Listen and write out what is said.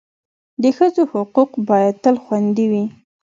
د ښځو حقوق باید تل خوندي وي.